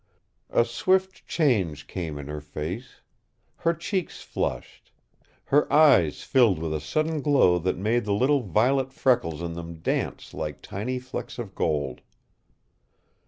A swift change came in her face. Her cheeks flushed. Her eyes filled with a sudden glow that made the little violet freckles in them dance like tiny flecks of gold.